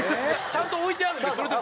ちゃんと置いてあるんです。